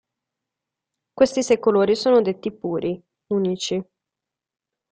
Questi sei colori sono detti "puri", "unici".